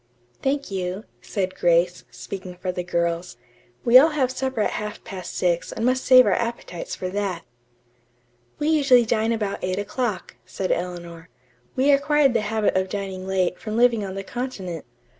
"Thank you," said Grace, speaking for the girls. "We all have supper at half past six and must save our appetites for that." "We usually dine about eight o'clock," said Eleanor. "We acquired the habit of dining late from living on the continent.